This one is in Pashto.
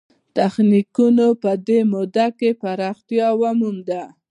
تخنیکونو په دې موده کې پراختیا ومونده.